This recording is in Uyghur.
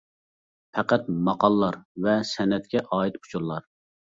پەقەت ماقاللار ۋە سەنئەتكە ئائىت ئۇچۇرلار.